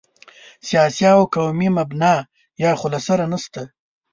سیاسي او قومي مبنا یا خو له سره نشته.